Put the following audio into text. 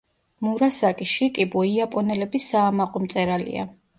მურასაკი შიკიბუ იაპონელების საამაყო მწერალია.